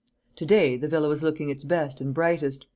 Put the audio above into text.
To day the villa was looking its best and brightest.